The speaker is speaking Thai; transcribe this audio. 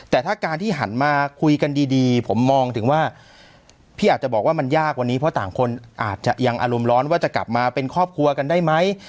แต่ถ้าการที่หันมาคุยกันดีผมมองถึงว่าพี่อาจจะบอกว่ามันยากกว่านี้เพราะต่างคนอาจจะยังอารมณ์ร้อนว่าจะกลับมาเป็นครอบครัวกันได้ไหม